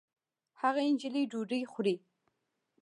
هغه نجلۍ ډوډۍ خوري